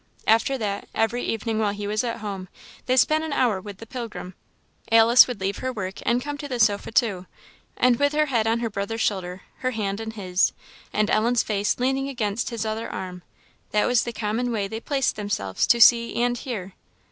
After that, every evening while he was at home, they spent an hour with the "Pilgrim." Alice would leave her work and come to the sofa, too; and with her head on her brother's shoulder, her hand in his, and Ellen's face leaning against his other arm, that was the common way they placed themselves to see and hear.